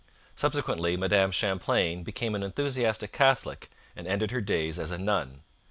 Subsequently, Madame Champlain became an enthusiastic Catholic and ended her days as a nun.